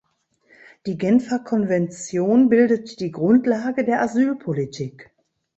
Die Genfer Konvention bildet die Grundlage der Asylpolitik.